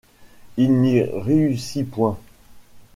Il n’y réussit point.